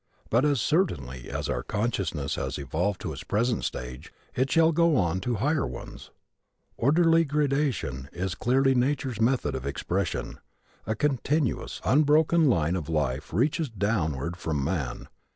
But as certainly as our consciousness has evolved to its present stage it shall go on to higher ones. Orderly gradation is clearly nature's method of expression. A continuous, unbroken line of life reaches downward from man.